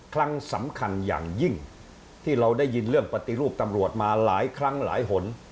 ครั้งสำคัญอย่างยิ่งที่เราได้ยินเรื่องปฏิรูปตำรวจมาหลายครั้งหลายหน